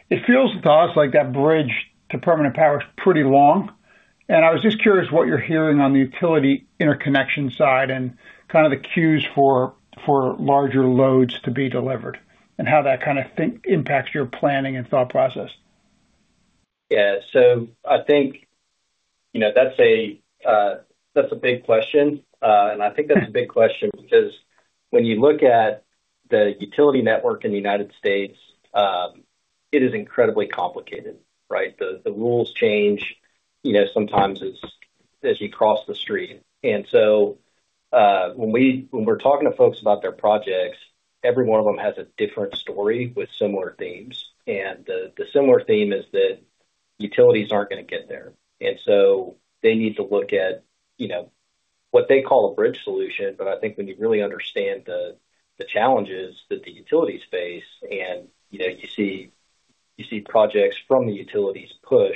It feels to us like that bridge to permanent power is pretty long, and I was just curious what you're hearing on the utility interconnection side and kind of the queues for larger loads to be delivered, and how that kind of impacts your planning and thought process. Yeah. I think, you know, that's a, that's a big question. I think that's a big question because when you look at the utility network in the United States, it is incredibly complicated, right? The, the rules change, you know, sometimes as you cross the street. When we're talking to folks about their projects, every one of them has a different story with similar themes. The, the similar theme is that utilities aren't going to get there, and so they need to look at, you know, what they call a bridge solution. I think when you really understand the challenges that the utilities face, and, you know, you see projects from the utilities push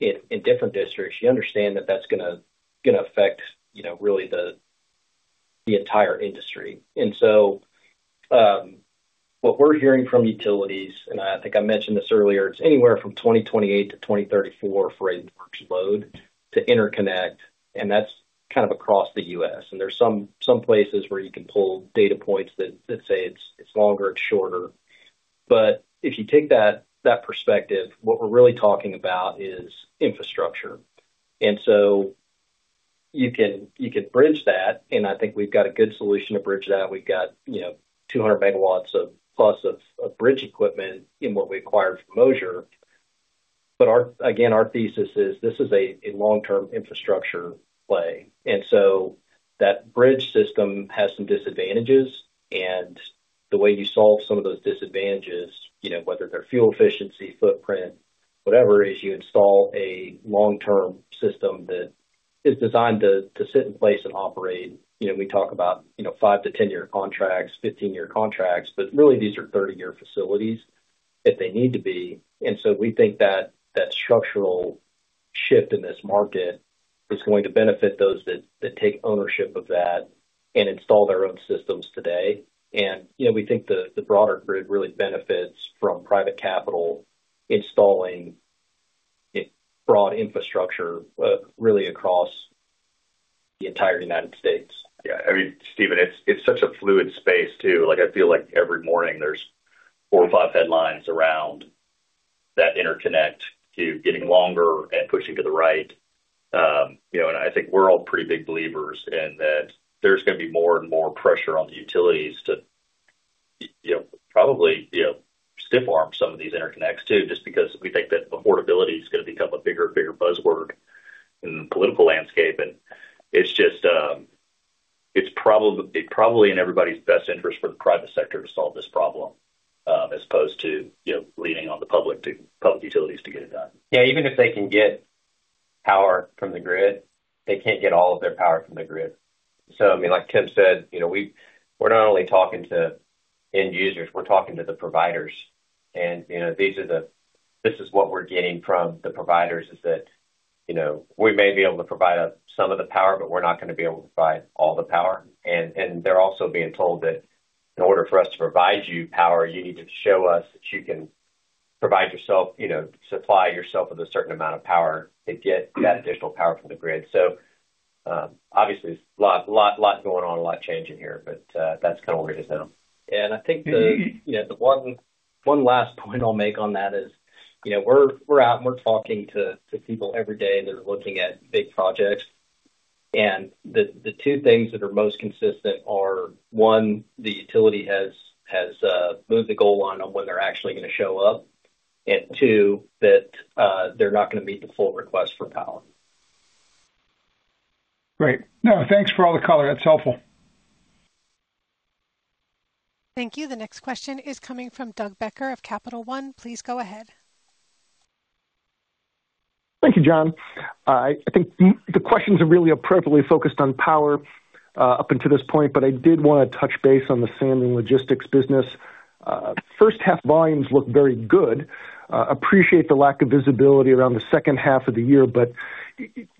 in different districts, you understand that that's gonna affect, you know, really the entire industry. What we're hearing from utilities, and I think I mentioned this earlier, is anywhere from 2028 to 2034 for a load to interconnect, and that's kind of across the U.S. There's some places where you can pull data points that say it's longer, it's shorter. If you take that perspective, what we're really talking about is infrastructure. You can bridge that, and I think we've got a good solution to bridge that. We've got, you know, 200MW+ of bridge equipment in what we acquired from Moser. Again, our thesis is this is a long-term infrastructure play, that bridge system has some disadvantages. The way you solve some of those disadvantages, you know, whether they're fuel efficiency, footprint, whatever, is you install a long-term system that is designed to sit in place and operate. You know, we talk about, you know, 5-10-year contracts, 15-year contracts, but really, these are 30-year facilities if they need to be. We think that structural shift in this market is going to benefit those that take ownership of that and install their own systems today. You know, we think the broader grid really benefits from private capital installing a broad infrastructure, really across the entire United States. Yeah, I mean, Stephen, it's such a fluid space, too. Like, I feel like every morning there's four or five headlines around that interconnect to getting longer and pushing to the right. you know, I think we're all pretty big believers in that there's going to be more and more pressure on the utilities to, you know, probably, you know, stiff-arm some of these interconnects, too, just because we think that affordability is going to become a bigger and bigger buzzword in the political landscape. it's probably in everybody's best interest for the private sector to solve this problem, as opposed to, you know, leaning on the public utilities to get it done. Yeah, even if they can get power from the grid, they can't get all of their power from the grid. I mean, like Tim said, you know, we're not only talking to end users, we're talking to the providers. You know, this is what we're getting from the providers, is that, you know, we may be able to provide some of the power, but we're not going to be able to provide all the power. They're also being told that in order for us to provide you power, you need to show us that you can provide yourself, you know, supply yourself with a certain amount of power to get that additional power from the grid. Obviously, there's a lot going on, a lot changing here, but that's kind of where it is now. I think the, you know, one last point I'll make on that is, you know, we're out and we're talking to people every day, and they're looking at big projects. The two things that are most consistent are, one, the utility has moved the goal line on when they're actually going to show up. Two, that they're not going to meet the full request for power. Great. No, thanks for all the color. That's helpful. Thank you. The next question is coming from Doug Becker of Capital One. Please go ahead. Thank you, John. I think the questions are really appropriately focused on power up until this point. I did want to touch base on the sand and logistics business. 1st half volumes look very good. Appreciate the lack of visibility around the 2nd half of the year.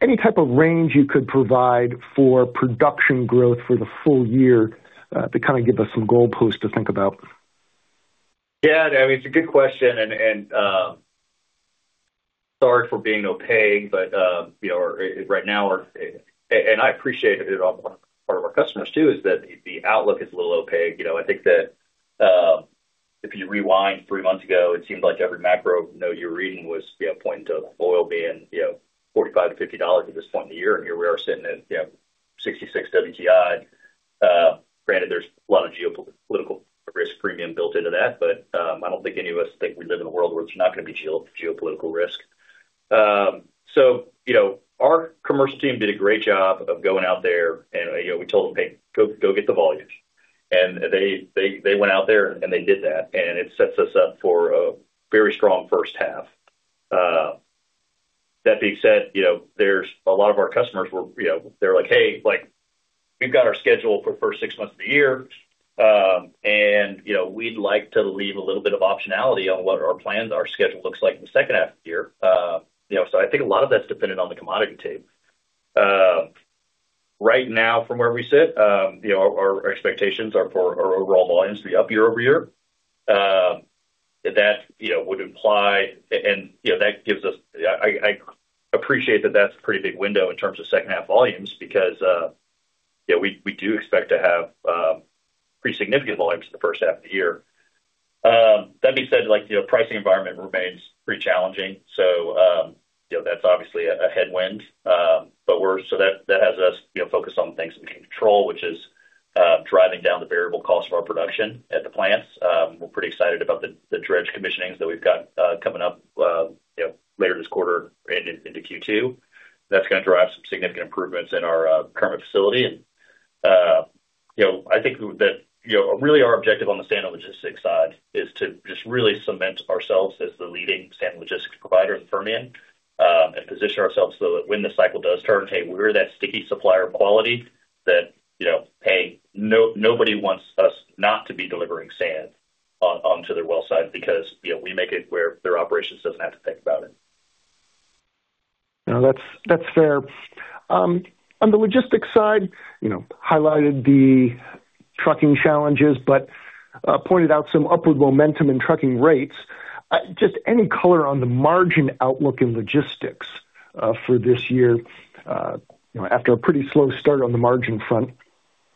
Any type of range you could provide for production growth for the full year to kind of give us some goalposts to think about? Yeah, I mean, it's a good question, and, sorry for being opaque, but, you know, right now, I appreciate it on part of our customers, too, is that the outlook is a little opaque. You know, I think that, if you rewind three months ago, it seemed like every macro note you were reading was, you know, pointing to oil being, you know, $45-$50 at this point in the year, and here we are sitting at, you know, $66 WTI. Granted, there's a lot of geopolitical risk premium built into that, but, I don't think any of us think we live in a world where there's not going to be geopolitical risk. You know, our commercial team did a great job of going out there, and, you know, we told them, "Hey, go get the volumes." They went out there, and they did that, and it sets us up for a very strong first half. That being said, you know, there's a lot of our customers were, you know, they're like: Hey, like, we've got our schedule for the first six months of the year, and, you know, we'd like to leave a little bit of optionality on what our plans, our schedule looks like in the second half of the year. You know, I think a lot of that's dependent on the commodity tape. Right now, from where we sit, you know, our expectations are for our overall volumes to be up year-over-year. That, you know, would imply... You know, that gives us... I appreciate that that's a pretty big window in terms of second half volumes, because, you know, we do expect to have pretty significant volumes in the first half of the year. That being said, like, the pricing environment remains pretty challenging, so, you know, that's obviously a headwind, but so that has us, you know, focused on things we can control, which is driving down the variable cost of our production at the plants. We're pretty excited about the dredge commissionings that we've got coming up, you know, later this quarter and into Q2. That's going to drive some significant improvements in our current facility. You know, I think that, you know, really our objective on the sand logistics side is to just really cement ourselves as the leading sand logistics provider in Permian and position ourselves so that when the cycle does turn, hey, we're that sticky supplier of quality that, you know, hey, nobody wants us not to be delivering sand onto their well site because, you know, we make it where their operations doesn't have to think about it. No, that's fair. On the logistics side, you know, highlighted the trucking challenges, pointed out some upward momentum in trucking rates. Just any color on the margin outlook in logistics for this year, you know, after a pretty slow start on the margin front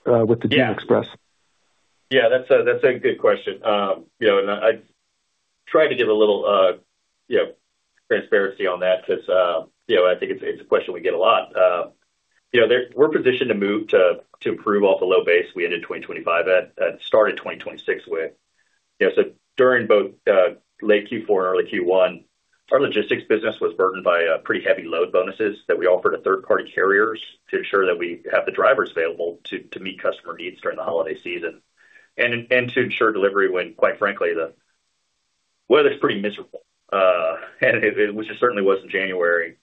with the Dune Express? Yeah, that's a good question. You know, I tried to give a little, you know, transparency on that because, you know, I think it's a question we get a lot. You know, we're positioned to move to improve off the low base we ended 2025 at, started 2026 with. You know, during both late Q4 and early Q1, our logistics business was burdened by pretty heavy load bonuses that we offered to third-party carriers to ensure that we have the drivers available to meet customer needs during the holiday season. To ensure delivery when, quite frankly, the weather's pretty miserable, which it certainly was in January.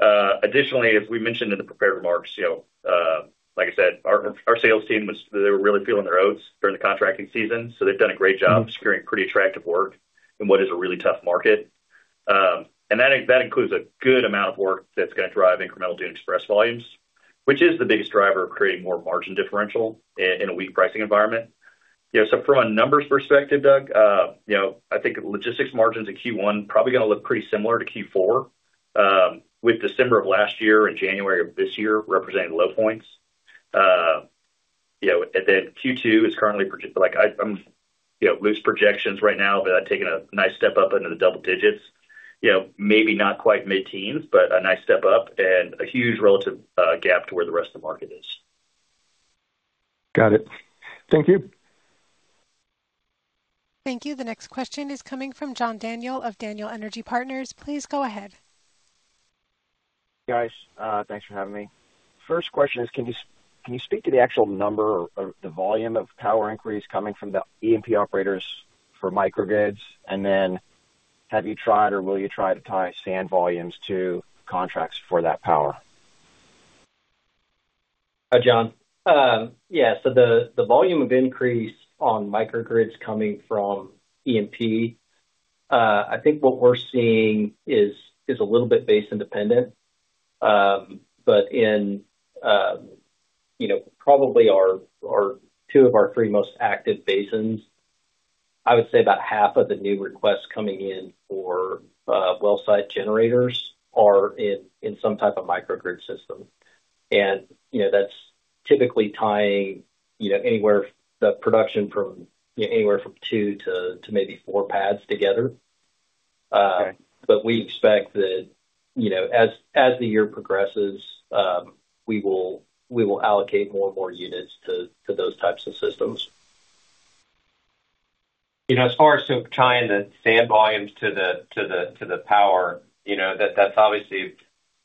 Additionally, as we mentioned in the prepared remarks, you know, like I said, our sales team they were really feeling their oats during the contracting season, they've done a great job securing pretty attractive work in what is a really tough market. That includes a good amount of work that's going to drive incremental Dune Express volumes, which is the biggest driver of creating more margin differential in a weak pricing environment. You know, from a numbers perspective, Doug, you know, I think logistics margins in Q1 probably going to look pretty similar to Q4, with December of last year and January of this year representing low points. You know, Q2 is currently, you know, loose projections right now, but I've taken a nice step up into the double digits, you know, maybe not quite mid-teens, but a nice step up and a huge relative gap to where the rest of the market is. Got it. Thank you. Thank you. The next question is coming from John Daniel of Daniel Energy Partners. Please go ahead. Guys, thanks for having me. First question is, can you speak to the actual number or the volume of power inquiries coming from the E&P operators for microgrids? Have you tried or will you try to tie sand volumes to contracts for that power? Hi, John. Yeah, the volume of increase on microgrids coming from E&P, I think what we're seeing is a little bit base independent. In, you know, probably our two of our three most active basins, I would say about half of the new requests coming in for well site generators are in some type of microgrid system. That's typically tying, you know, anywhere the production from anywhere from two to maybe four pads together. Okay. We expect that, you know, as the year progresses, we will allocate more and more units to those types of systems. You know, as far as tying the sand volumes to the power, you know, that's obviously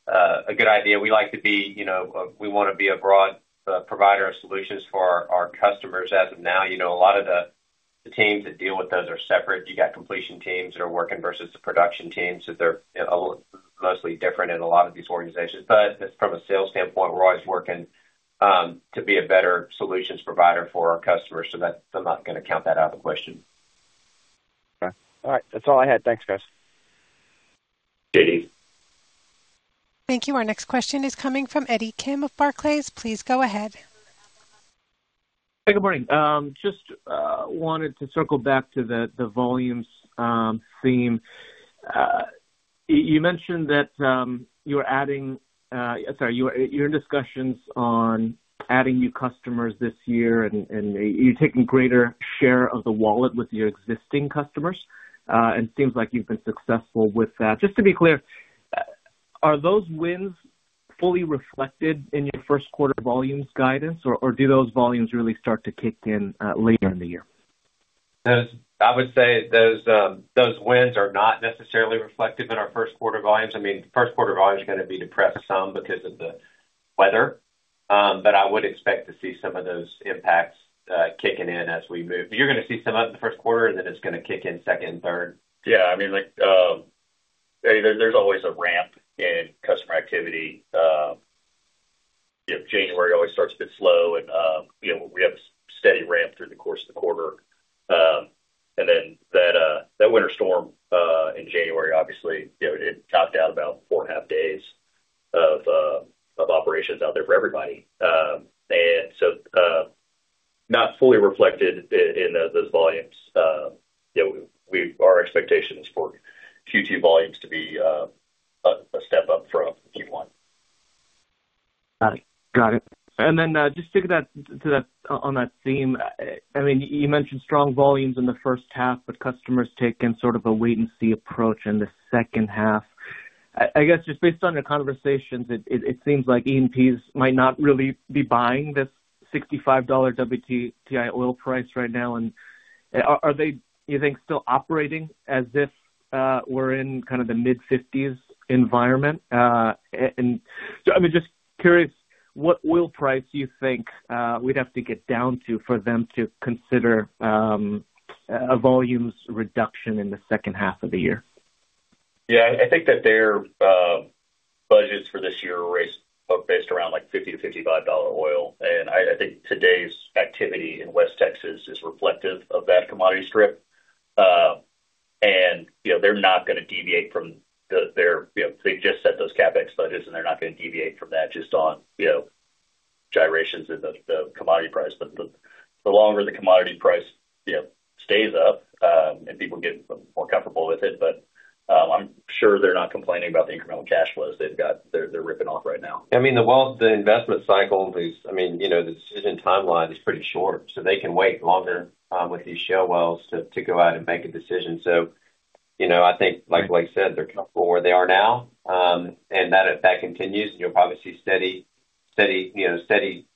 a good idea. We like to be, you know, we wanna be a broad provider of solutions for our customers. As of now, you know, a lot of the teams that deal with those are separate. You got completion teams that are working versus the production teams, that they're, you know, mostly different in a lot of these organizations. From a sales standpoint, we're always working to be a better solutions provider for our customers. I'm not gonna count that out of the question. Okay. All right. That's all I had. Thanks, guys. JD. Thank you. Our next question is coming from Eddie Kim of Barclays. Please go ahead. Hey, good morning. Just wanted to circle back to the volumes theme. You mentioned that your discussions on adding new customers this year, and you're taking greater share of the wallet with your existing customers, and it seems like you've been successful with that. Just to be clear, are those wins fully reflected in your first quarter volumes guidance, or do those volumes really start to kick in later in the year? Those I would say, those wins are not necessarily reflective in our first quarter volumes. I mean, first quarter volume is gonna be depressed some because of the weather, but I would expect to see some of those impacts, kicking in as we move. You're gonna see some of it in the first quarter, and then it's gonna kick in second and third. Yeah, I mean, like, there's always a ramp in customer activity. You know, January always starts a bit slow, and, you know, we have a steady ramp through the course of the quarter. That winter storm in January, obviously, you know, it knocked out about four and a half days of operations out there for everybody. Not fully reflected in those volumes. You know, our expectation is for Q2 volumes to be a step up from Q1. Got it. Got it. Just to get on that theme, I mean, you mentioned strong volumes in the first half, but customers taking sort of a wait-and-see approach in the second half. I guess, just based on your conversations, it seems like E&Ps might not really be buying this $65 WTI oil price right now. Are they, you think, still operating as if we're in kind of the mid-50s environment? So I mean, just curious, what oil price do you think we'd have to get down to for them to consider a volumes reduction in the second half of the year? Yeah, I think that their budgets for this year are raised, based around, like, $50-$55 oil. I think today's activity in West Texas is reflective of that commodity strip. They're, you know, they just set those CapEx budgets, they're not gonna deviate from that just on, you know, gyrations of the commodity price. The longer the commodity price, you know, stays up, people get more comfortable with it. I'm sure they're not complaining about the incremental cash flows They're ripping off right now. I mean, the wall, the investment cycle is, I mean, you know, the decision timeline is pretty short, so they can wait longer with these shale wells to go out and make a decision. You know, I think like Blake said, they're comfortable where they are now. That, if that continues, you'll probably see steady, you know, steady,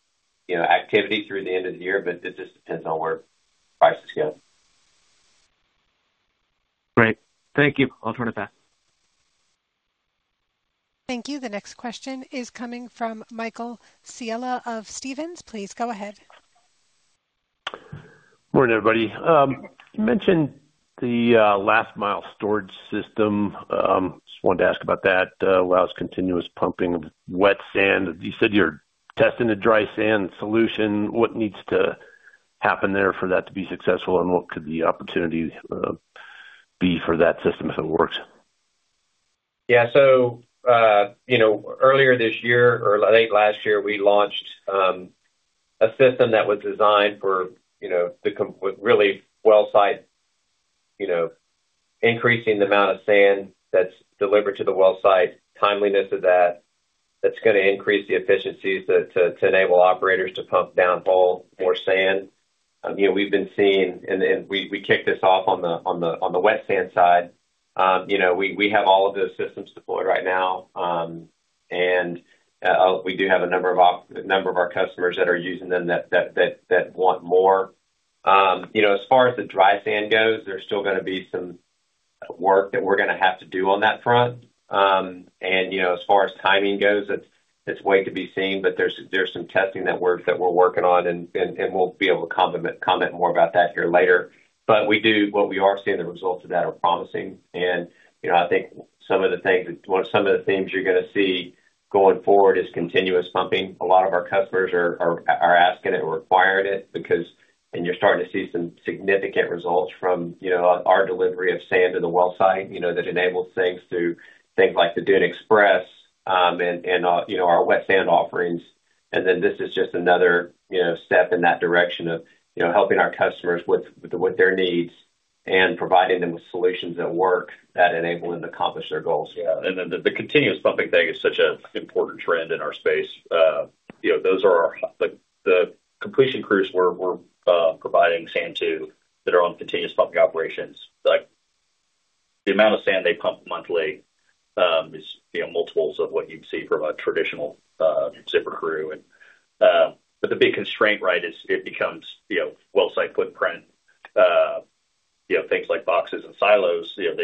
you know, activity through the end of the year, but it just depends on where prices go. Great. Thank you. I'll turn it back. Thank you. The next question is coming from Michael Scialla of Stephens. Please go ahead. Morning, everybody. You mentioned the last mile storage system. Just wanted to ask about that, allows continuous pumping of wet sand. You said you're testing a dry sand solution. What needs to happen there for that to be successful, and what could the opportunity be for that system if it works? You know, earlier this year or late last year, we launched a system that was designed for, you know, with really well site, you know, increasing the amount of sand that's delivered to the well site, timeliness of that. That's gonna increase the efficiencies to enable operators to pump down hole more sand. You know, we've been seeing. We kicked this off on the wet sand side.... you know, we have all of those systems deployed right now. We do have a number of our customers that are using them that want more. You know, as far as the dry sand goes, there's still gonna be some work that we're gonna have to do on that front. You know, as far as timing goes, it's way to be seen, but there's some testing that works, that we're working on, and we'll be able to comment more about that here later. What we are seeing, the results of that are promising. You know, I think some of the things, well, some of the things you're gonna see going forward is continuous pumping. A lot of our customers are asking it, or requiring it, because. You're starting to see some significant results from, you know, our delivery of sand to the well site, you know, that enables things through things like the Dune Express, and, you know, our wet sand offerings. This is just another, you know, step in that direction of, you know, helping our customers with their needs and providing them with solutions that work, that enable them to accomplish their goals. The continuous pumping thing is such an important trend in our space. You know, those are our, the completion crews we're providing sand to, that are on continuous pumping operations. Like, the amount of sand they pump monthly is, you know, multiples of what you'd see from a traditional zipper crew. But the big constraint, right, is it becomes, you know, well site footprint. You know, things like boxes and silos, you know,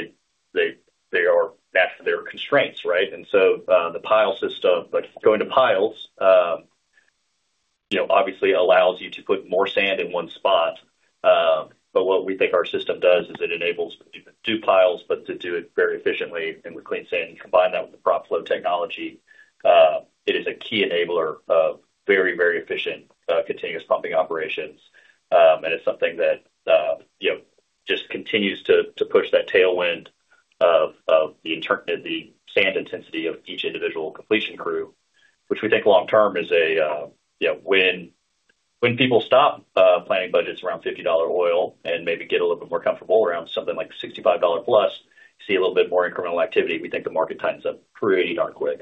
they are matched to their constraints, right? The pile system, like, going to piles, you know, obviously allows you to put more sand in one spot. But what we think our system does is it enables to do piles, but to do it very efficiently and with clean sand, and combine that with the PropFlow technology. It is a key enabler of very, very efficient, continuous pumping operations. It's something that, you know, just continues to push that tailwind of the sand intensity of each individual completion crew, which we think long term is a, you know, when people stop planning budgets around $50 oil and maybe get a little bit more comfortable around something like $65+, see a little bit more incremental activity, we think the market tightens up pretty darn quick.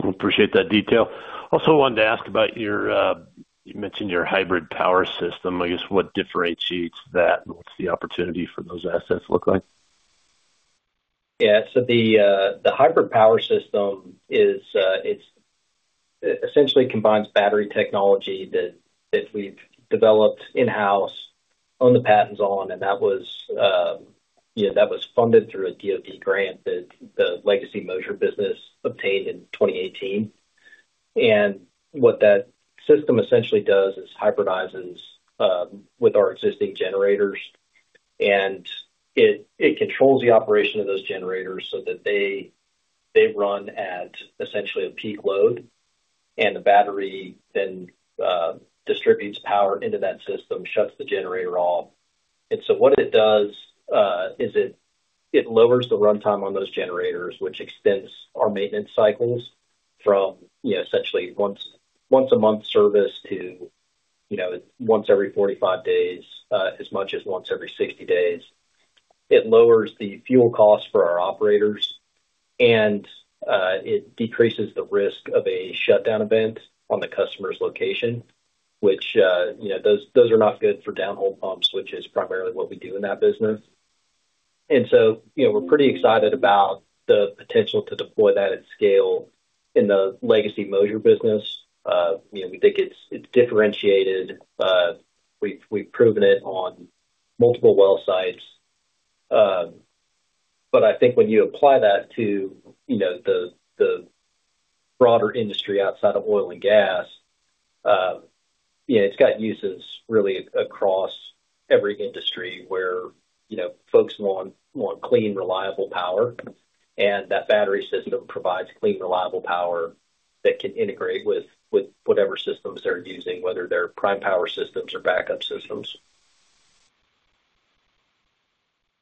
Appreciate that detail. Also wanted to ask about your, you mentioned your hybrid power system. I guess, what differentiates that and what's the opportunity for those assets look like? Yeah. The hybrid power system is it essentially combines battery technology that we've developed in-house, own the patents on, and that was, you know, that was funded through a DoD grant that the legacy Moser business obtained in 2018. What that system essentially does is hybridizes with our existing generators, and it controls the operation of those generators so that they run at essentially a peak load, and the battery then distributes power into that system, shuts the generator off. What it does is it lowers the runtime on those generators, which extends our maintenance cycles from, you know, essentially once a month service to, you know, once every 45 days, as much as once every 60 days. It lowers the fuel costs for our operators, and it decreases the risk of a shutdown event on the customer's location, which, you know, those are not good for downhole pumps, which is primarily what we do in that business. You know, we're pretty excited about the potential to deploy that at scale in the legacy Moser business. You know, we think it's differentiated. We've proven it on multiple well sites. I think when you apply that to, you know, the broader industry outside of oil and gas, you know, it's got uses really across every industry where, you know, folks want clean, reliable power, and that battery system provides clean, reliable power that can integrate with whatever systems they're using, whether they're prime power systems or backup systems.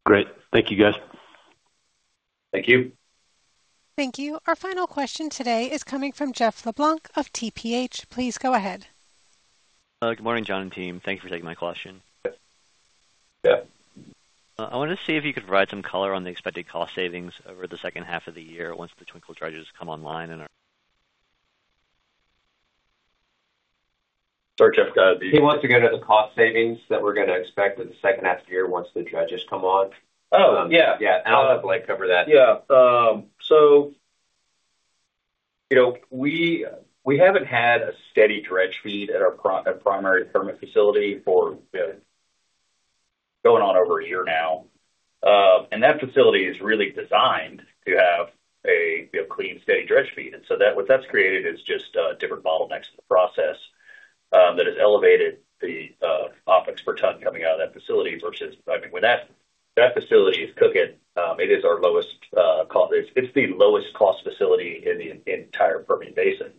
Great. Thank you, guys. Thank you. Thank you. Our final question today is coming from Jeff LeBlanc of TPH. Please go ahead. Good morning, John, and team. Thank you for taking my question. Yep. Yeah. I wanted to see if you could provide some color on the expected cost savings over the second half of the year once the Twinkle dredge come online. Sorry, Jeff, he wants to get at the cost savings that we're gonna expect in the second half of the year once the dredges come on. Oh, yeah. Yeah. I'll likely cover that. Yeah. You know, we haven't had a steady dredge feed at our primary Kermit facility for going on over a year now. That facility is really designed to have a clean, steady dredge feed. What that's created is just different bottlenecks to the process that has elevated the OpEx per ton coming out of that facility versus... I mean, when that facility is cooking, it is our lowest cost facility in the entire Permian Basin.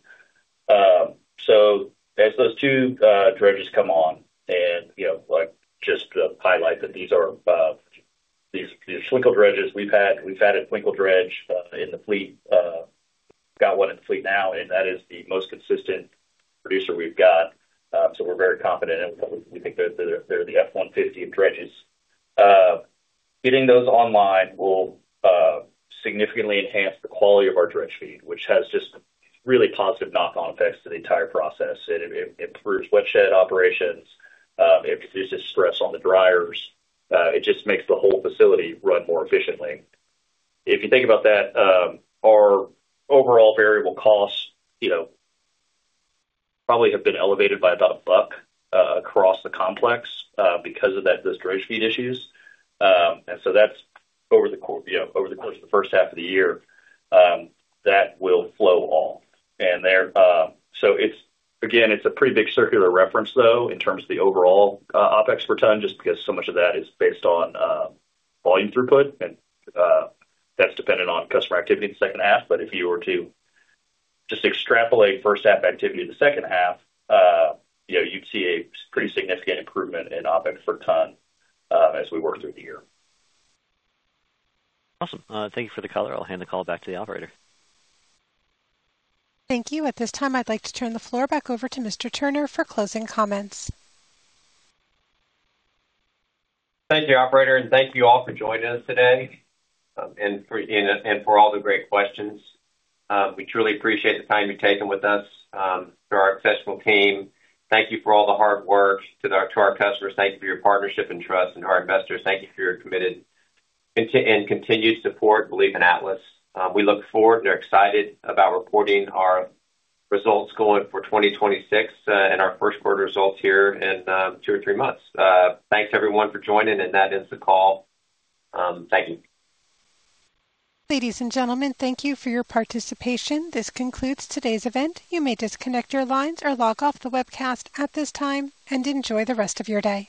As those two dredges come on and, you know, like, just to highlight that these are these Twinkle dredges we've had. We've had a Twinkle dredge in the fleet, got one in the fleet now, and that is the most consistent producer we've got. We're very confident in it. We think they're the F-150 of dredges. Getting those online will significantly enhance the quality of our dredge feed, which has just really positive knock-on effects to the entire process. It improves watershed operations, it reduces stress on the dryers, it just makes the whole facility run more efficiently. If you think about that, our overall variable costs, you know, probably have been elevated by about $1 across the complex because of that, those dredge feed issues. That's over the course, you know, over the course of the first half of the year, that will flow on. It's a pretty big circular reference, though, in terms of the overall OpEx per ton, just because so much of that is based on volume throughput, and that's dependent on customer activity in the second half. If you were to just extrapolate first half activity to the second half, you know, you'd see a pretty significant improvement in OpEx per ton as we work through the year. Awesome. Thank you for the color. I'll hand the call back to the operator. Thank you. At this time, I'd like to turn the floor back over to Mr. Turner for closing comments. Thank you, operator, and thank you all for joining us today, and for all the great questions. We truly appreciate the time you've taken with us, to our exceptional team, thank you for all the hard work. To our customers, thanks for your partnership and trust, and our investors, thank you for your committed and continued support and belief in Atlas. We look forward and are excited about reporting our results going for 2026, and our first quarter results here in, 2 or 3 months. Thanks everyone for joining, and that ends the call. Thank you. Ladies and gentlemen, thank you for your participation. This concludes today's event. You may disconnect your lines or log off the webcast at this time, and enjoy the rest of your day.